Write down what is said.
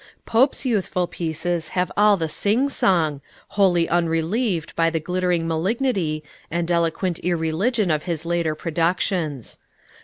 Pope's youthful pieces have all the sing song, wholly unrelieved by the glittering malignity and eloquent irreligion of his later productions.